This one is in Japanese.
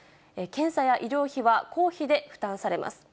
検査や医療費は公費で負担されます。